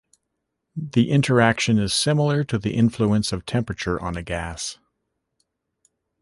The interaction is similar to the influence of temperature on a gas.